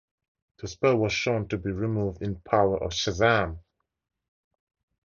The spell was shown to be removed in Power of Shazam!